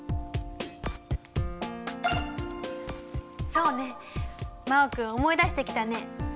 そうね真旺君思い出してきたね。